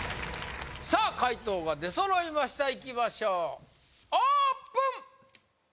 さあ解答が出揃いましたいきましょうオープン！